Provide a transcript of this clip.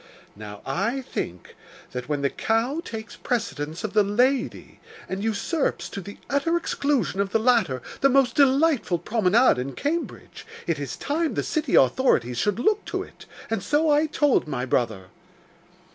Now I think that when the cow takes precedence of the lady, and usurps, to the utter exclusion of the latter, the most delightful promenade in Cambridge, it is time the city authorities should look to it; and so I told my brother.